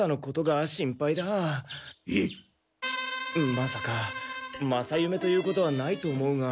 まさか正夢ということはないと思うが。